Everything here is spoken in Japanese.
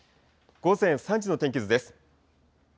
午前３時の天気図です。